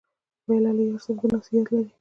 پیاله له یار سره د ناستې یاد لري.